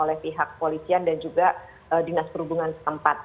oleh pihak polisian dan juga dinas perhubungan setempat